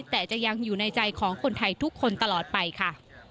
แต่จะยังอยู่ในใจของคนไทยทุกคนตลอดไปค่ะ